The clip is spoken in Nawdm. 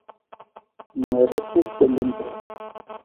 Ma ruku gbilung.